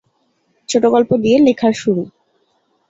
ছোটগল্প দিয়ে লেখার শুরু।